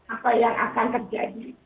apa yang akan terjadi